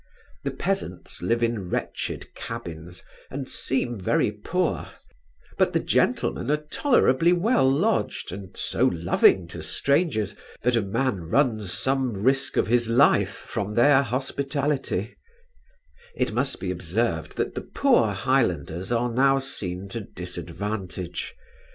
The peasants live in wretched cabins, and seem very poor; but the gentlemen are tolerably well lodged, and so loving to strangers, that a man runs some risque of his life from their hospitality It must be observed that the poor Highlanders are now seen to disadvantage.